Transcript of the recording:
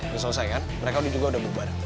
udah selesai kan mereka udah juga berbar